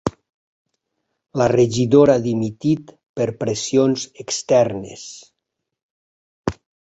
La regidora ha dimitit per pressions externes